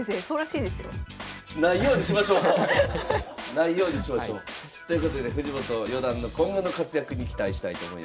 ないようにしましょう。ということで藤本四段の今後の活躍に期待したいと思います。